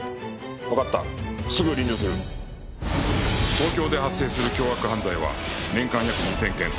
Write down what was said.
東京で発生する凶悪犯罪は年間約２０００件